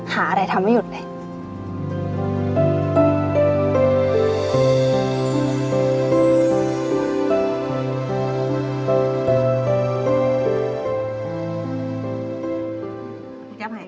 หาอะไรทำไม่หยุดเลย